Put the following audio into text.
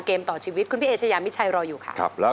ขอบคุณค่ะ